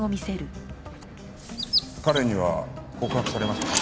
彼には告白されましたか？